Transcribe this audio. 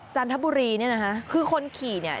จันทบุรีเนี่ยนะคะคือคนขี่เนี่ย